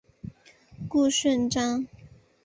顾顺章。